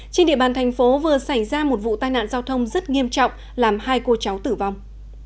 trên địa bàn thành phố vừa xảy ra một vụ tai nạn giao thông rất nghiêm trọng làm hai cô cháu tử vong